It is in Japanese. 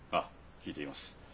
聞いています。